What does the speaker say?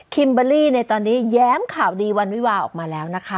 เบอร์รี่ในตอนนี้แย้มข่าวดีวันวิวาออกมาแล้วนะคะ